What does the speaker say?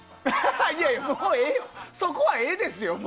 いやいや、そこはええですよ。